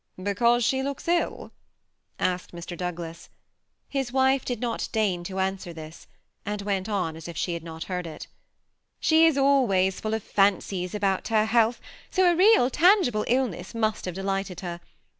''Because she looks ill?" asked Mr. Douglas. His wife did not deign to answer this, and went on as if she had not heard it '^ She is always full of fancies about her health, so a real, tangible illness must have de lighted her.